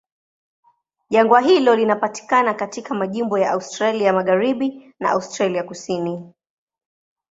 Jangwa hilo linapatikana katika majimbo ya Australia Magharibi na Australia Kusini.